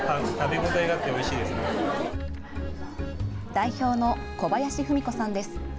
代表の小林郁子さんです。